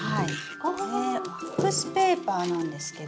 これワックスペーパーなんですけど。